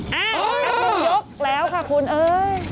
อ้าวเด็กพุ่งยกแล้วค่ะคุณเอ๊ย